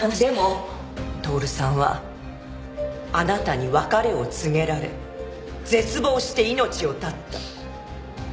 でも透さんはあなたに別れを告げられ絶望して命を絶った。